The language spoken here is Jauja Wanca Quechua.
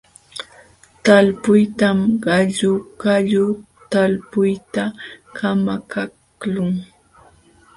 Talpuytam qalluqallu talpuyta kamakaqlun.